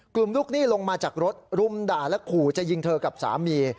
ลูกหนี้ลงมาจากรถรุมด่าและขู่จะยิงเธอกับสามี